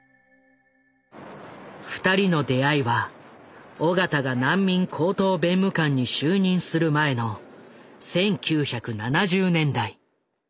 ２人の出会いは緒方が難民高等弁務官に就任する前の１９７０年代。